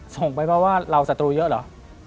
ส่งไปเพราะล่าอย่างเราสตรูเยอะเหรอ